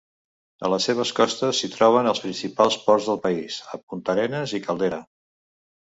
A les seves costes s'hi troben els principals ports del país, a Puntarenas i Caldera.